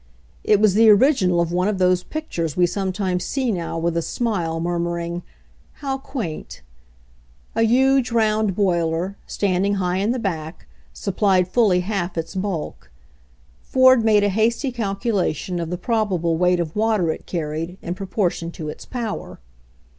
It was the original of one of those pictures we sometimes see now with a smile, murmuring, "How quaint!" A huge round boiler, standing high in the back, supplied fully half its bulk. Ford made a hasty calculation of the probable weight of water it carried, in proportion to its power.